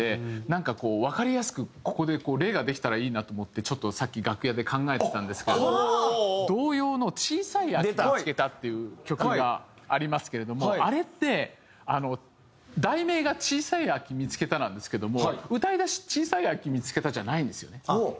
なんかこうわかりやすくここで例ができたらいいなと思ってちょっとさっき楽屋で考えてたんですけど童謡の『ちいさい秋みつけた』っていう曲がありますけれどもあれって題名が『ちいさい秋みつけた』なんですけども歌い出し「ちいさい秋みつけた」じゃないんですよね。